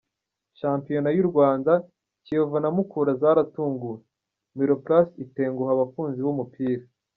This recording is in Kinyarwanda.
Shampiona y’u Rwanda, Kiyovu na Mukura zaratunguwe, Miroplast itenguha abakunzi b’umupira.